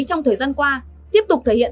trong thời gian qua tiếp tục thể hiện